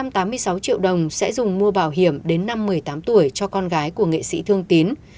năm trăm tám mươi sáu triệu đồng sẽ dùng mua bảo hiểm đến năm một mươi tám tuổi cho con gái của nghệ sĩ thương tín